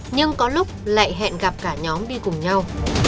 nhưng có lúc lại hẹn gặp cả nhóm đi cùng nhau